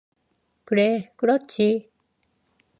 그래, 그렇지.